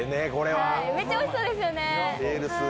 めちゃおいしそうですよね。